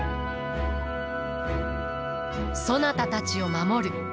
そなたたちを守る。